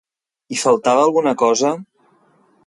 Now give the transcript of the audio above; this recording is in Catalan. Hi faltava alguna cosa?